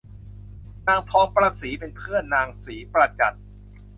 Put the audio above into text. นางทองประศรีเป็นเพื่อนนางศรีประจัน